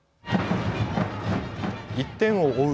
１点を追う